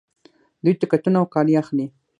دوی ټکټونه او کالي اخلي.